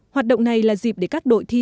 hoạt động này là dịp để các đội thi